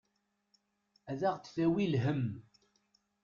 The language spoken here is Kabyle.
Ad aɣ-d-tawi lhemm.